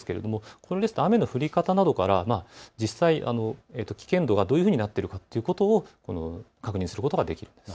これですと雨の降り方など実際、危険度がどういうふうになっているかというのを確認することができます。